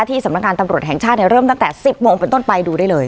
สำนักงานตำรวจแห่งชาติเริ่มตั้งแต่๑๐โมงเป็นต้นไปดูได้เลย